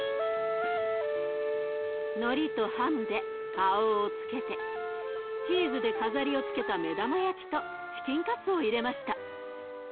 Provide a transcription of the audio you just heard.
のりとハムで顔をつけてチーズで飾りをつけた目玉焼きとチキンカツを入れました。